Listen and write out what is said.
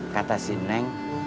kata si neng